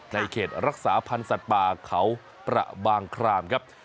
เขตรักษาพันธ์สัตว์ป่าเขาประบางครามครับ